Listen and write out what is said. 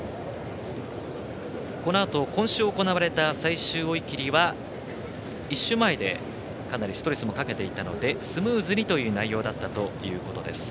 このあと、今週行われた最終追い切りは１週前でかなりストレスをかけていたのでスムーズにという内容だったということです。